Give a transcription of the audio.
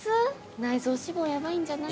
内臓脂肪ヤバいんじゃない？